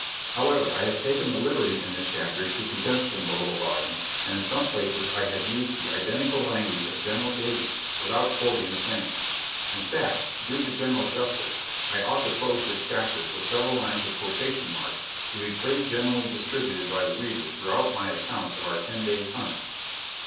However, I have taken the liberty in this chapter to condense from the little volume, and in some places I have used the identical language of General Davies without quoting the same; in fact, to do the General justice, I ought to close this chapter with several lines of quotation marks to be pretty generally distributed by the reader throughout my account of our ten days' hunt.